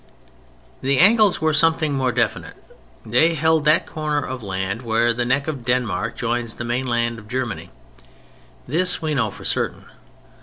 The Angles were something more definite; they held that corner of land where the neck of Denmark joins the mainland of Germany. This we know for certain.